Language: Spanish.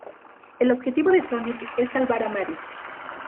El objetivo de Sonic es salvar a Mario.